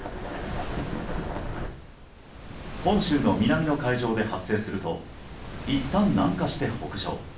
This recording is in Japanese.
本州の南の海上で発生するといったん南下して、北上。